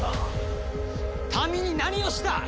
民に何をした！？